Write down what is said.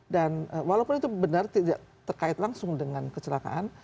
dan walaupun itu benar tidak terkait langsung dengan kecelakaan